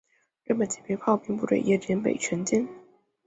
日军骑兵与炮兵部队一夜之间被全歼。